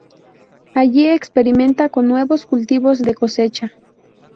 Allí experimenta con nuevos cultivos de cosecha.